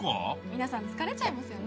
皆さん疲れちゃいますよね